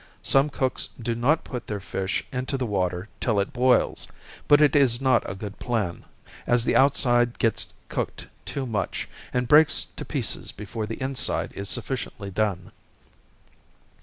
Some cooks do not put their fish into the water till it boils, but it is not a good plan, as the outside gets cooked too much, and breaks to pieces before the inside is sufficiently done.